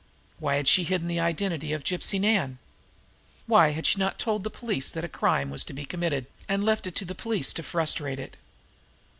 Why had she hidden the identity of Gypsy Nan? Why had she not told the police that a crime was to be committed, and left it to the police to frustrate it?